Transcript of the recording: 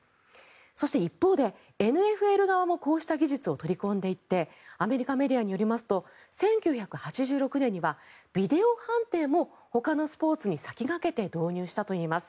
そして、一方でＮＦＬ側もこうした技術を取り込んでいってアメリカメディアによりますと１９８６年にはビデオ判定もほかのスポーツに先駆けて導入したといいます。